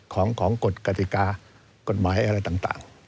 ของกฎกติกากฎหมายอะไรต่าง